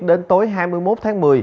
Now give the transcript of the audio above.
đến tối hai mươi một tháng một mươi